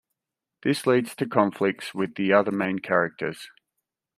This leads to conflicts with the other main characters.